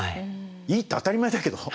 いいって当たり前だけど。